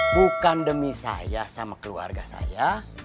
bukan demi saya sama keluarga saya